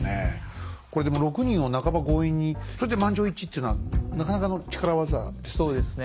これでも６人を半ば強引にそれで満場一致っていうのはなかなかの力業ですね。